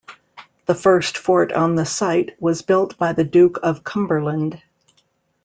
The first fort on the site was built by the Duke of Cumberland.